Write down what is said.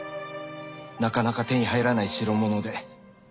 なかなか手に入らない代物で。